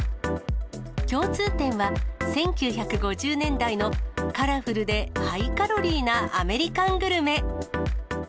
共通点は、１９５０年代のカラフルでハイカロリーなアメリカングルメ。